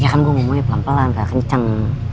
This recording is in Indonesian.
ya kan gue ngomongnya pelan pelan gak kencang